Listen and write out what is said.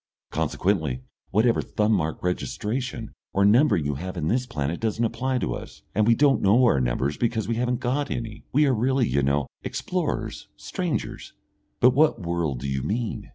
Consequently, whatever thumb mark registration or numbering you have in this planet doesn't apply to us, and we don't know our numbers because we haven't got any. We are really, you know, explorers, strangers " "But what world do you mean?"